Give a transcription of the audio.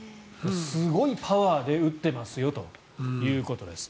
すごいパワーで打ってますよということです。